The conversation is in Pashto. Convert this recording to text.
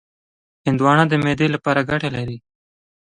هندوانه د معدې لپاره ګټه لري.